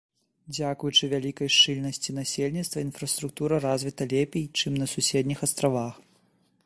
Дзякуючы вялікай шчыльнасці насельніцтва інфраструктура развіта лепей, чым на суседніх астравах.